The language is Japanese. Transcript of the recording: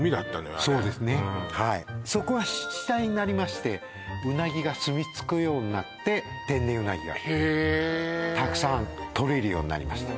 はいうんそこが湿地帯になりましてうなぎがすみつくようになって天然うなぎがへえたくさんとれるようになりました